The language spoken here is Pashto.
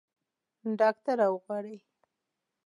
ډاکټر راوغواړئ